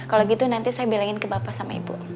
kalau gitu nanti saya bilangin ke bapak sama ibu